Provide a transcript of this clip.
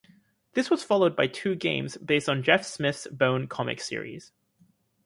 This was followed by two games based on Jeff Smith's "Bone" comic book series.